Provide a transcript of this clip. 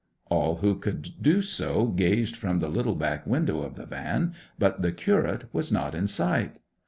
All who could do so gazed from the little back window of the van, but the curate was not in sight.